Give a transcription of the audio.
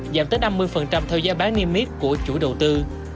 giảm tới năm mươi theo giá bán niêm miết của chủ đầu tư